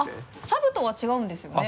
サブとは違うんですよね。